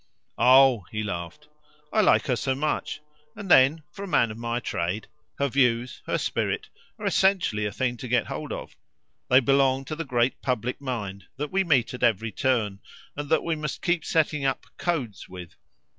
"Oh," he laughed, "I like her so much; and then, for a man of my trade, her views, her spirit, are essentially a thing to get hold of: they belong to the great public mind that we meet at every turn and that we must keep setting up 'codes' with.